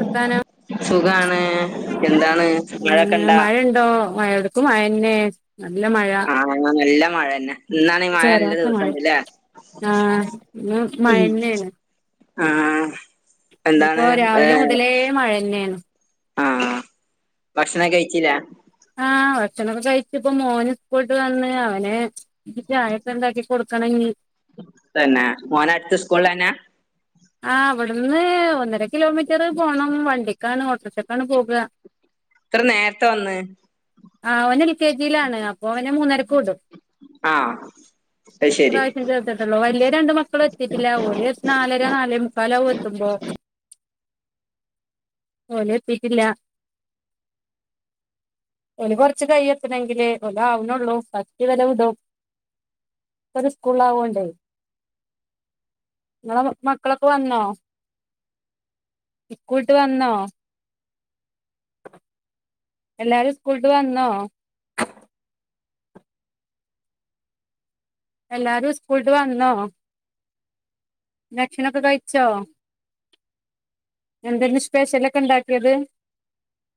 വർത്താനം സുഖാണ് എന്താണ് മഴക്കണ്ടാ? ട്ടോ മയോട്ക്കും മയെന്നെ നല്ല മഴ ആ നല്ല മഴന്നെ ഇന്നാണെ മഴ നല്ല ചോരാത്ത മഴ ദിവസണ്ട് ല്ലേ ആഹ് ഇന്ന് ഉം മഴന്നേണ് ആഹ് എന്താണ് ഇന്നിപ്പോ ഏ രാവിലെ മുതലേ മഴന്നേണ് ആഹ് ഭക്ഷണക്കെ കഴിച്ചില്ലേ ആഹ് ഭക്ഷണൊക്കെ കഴിച്ചു. ഇപ്പ മോന് സ്കൂൾ വിട്ട് വന്ന് അവന് ചായക്കണ്ടാക്കി കൊടുക്ക ക്കണഞ്ഞ്‌ തന്ന മോനാട്ത്ത സ്കൂൾലെന്നാ ആഹ് ഇവട്ന്ന് ഒന്നര കിലോമീറ്റർ പോണം വണ്ടിക്കാണ് ഓട്ടോർഷക്കാണ് പോകാ ഇത്ര നേര്ത്തെ വന്ന് ആഹ് ഓന് എൽ കെ ജിലാണ് അപ്പൊ ഓനെ മൂന്നരക്ക് വിടും. ആഹ് അത് ശരി ഇപ്രാശ്യം ചേർത്തിട്ടൊള്ളു വല്യ രണ്ട് മക്കള് എത്തിയിട്ടില്ല ഓല് നാല ര നാലെ മുക്കാലാകും എത്തുമ്പോ ഓലെത്തീട്ട്ല്ല. ഓല് കൊർച്ച് കയ്യൂ എത്തണങ്കില് ഓല് ആവ്ണോള്ളൂ. ഫസ്റ്റ് വെല വിടും. ഒരു സ്കൂള്ളാവോണ്ടേ ങ്ങളെ മക്കളൊക്കെ വന്നോ ഇസ്കൂൾട്ട് വന്നോ എല്ലാരും സ്കൂൾട്ട് വന്നോ? എല്ലാരും സ്കൂൾട്ട് വന്നോ? ഭക്ഷണൊക്കെ കഴിച്ചോ എന്തെന്ന് സ്പെഷ്യലൊക്കെണ്ടാക്കിയത്?